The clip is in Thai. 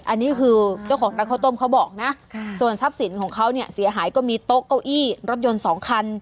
อันนี้คือเจ้าของร้านข้าวต้มเขาบอกนะส่วนทรัพย์สินของเขาเนี่ยเสียหายก็มีโต๊ะเก้าอี้รถยนต์สองคัน